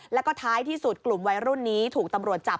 แล้วก็ท้ายที่สุดกลุ่มวัยรุ่นนี้ถูกตำรวจจับ